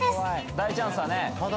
大チャンスだね